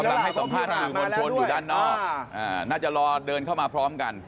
ให้สัมภาษณ์สื่อมวลชนอยู่ด้านนอกน่าจะรอเดินเข้ามาพร้อมกัน